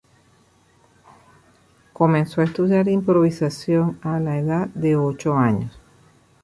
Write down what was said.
Comenzó a estudiar improvisación a la edad de ocho años.